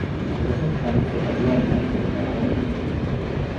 قسم کھانے سے اللہ مان جاتا ہے